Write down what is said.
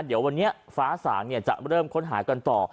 เดี๋ยววันนี้ฟ้าสางจะเริ่มค้นหากันต่อ